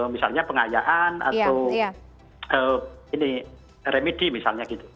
misalnya pengayaan atau ini remedi misalnya gitu